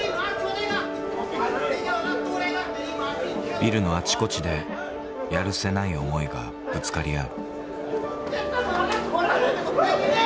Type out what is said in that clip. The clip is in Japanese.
ビルのあちこちでやるせない思いがぶつかり合う。